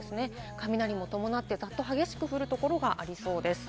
雷も伴ってザッと激しく降るところがありそうです。